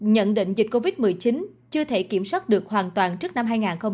nhận định dịch covid một mươi chín chưa thể kiểm soát được hoàn toàn trước năm hai nghìn hai mươi